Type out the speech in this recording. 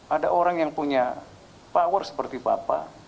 ada orang yang punya power seperti bapak